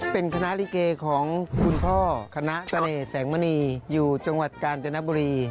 เป็นคณะลิเกของคุณพ่อคณะเสน่ห์แสงมณีอยู่จังหวัดกาญจนบุรี